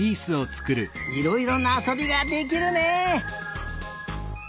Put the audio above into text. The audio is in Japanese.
いろいろなあそびができるね。